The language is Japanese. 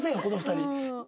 この２人。